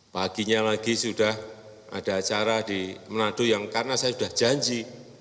paginya lagi sudah ada acara di manado yang karena saya sudah janji